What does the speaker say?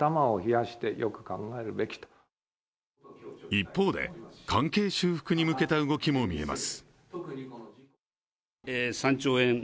一方で、関係修復に向けた動きも見えます。